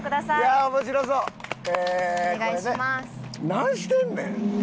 なんしてんねん！